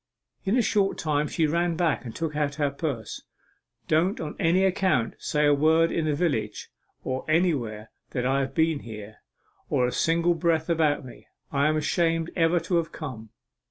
In a short time she ran back and took out her purse. "Don't on any account say a word in the village or anywhere that I have been here, or a single breath about me I'm ashamed ever to have come."